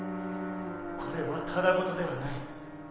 これはただ事ではない。